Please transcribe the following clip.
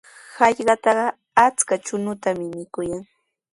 Hallqatrawqa achka chuñutami mikuyan.